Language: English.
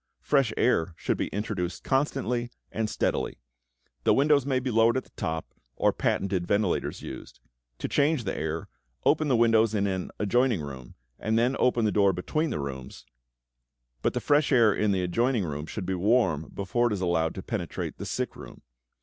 Fresh air should be introduced constantly and steadily. The windows may be lowered at the top or patented ventilators used. To change the air, open the windows in an adjoining room, and then open the door between the rooms, but the fresh air in the adjoining room should be warm before it is allowed to penetrate the sick room.